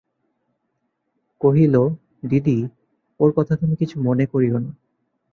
কহিল, দিদি, ওর কথা তুমি কিছু মনে করিয়ো না।